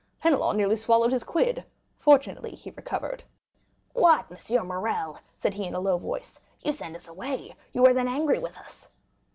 Penelon nearly swallowed his quid; fortunately he recovered. "What, M. Morrel!" said he in a low voice, "you send us away; you are then angry with us!"